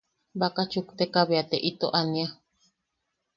Baka chukteka bea te ito ania.